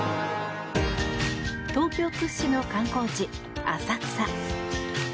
東京屈指の観光地、浅草。